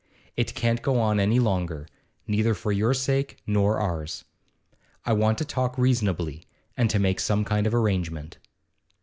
It can't go on any longer neither for your sake nor ours. I want to talk reasonably, and to make some kind of arrangement.